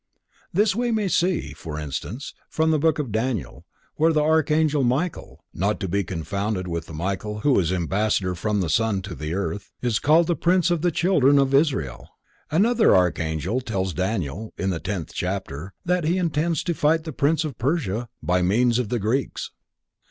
This we may see, for instance, from the book of Daniel, where the Archangel Michael (not to be confounded with the Michael, who is ambassador from the sun to the earth), is called the prince of the children of Israel. Another Archangel tells Daniel, (in the tenth chapter) that he intends to fight the prince of Persia by means of the Greeks.